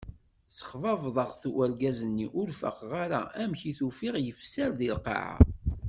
Ssexbabḍeɣ argaz-nni ur faqeɣ ara amek i t-ufiɣ yefser di lqaɛa.